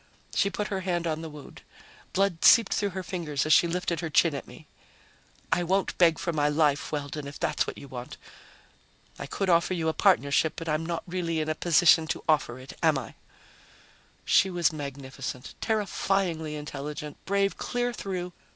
She put her hand on the wound. Blood seeped through her fingers as she lifted her chin at me. "I won't beg for my life, Weldon, if that's what you want. I could offer you a partnership, but I'm not really in a position to offer it, am I?" She was magnificent, terrifyingly intelligent, brave clear through